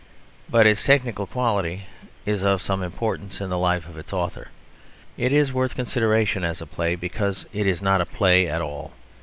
But its technical quality is of some importance in the life of its author. It is worth consideration as a play, because it is not a play at all.